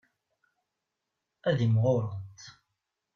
Ad imɣurent.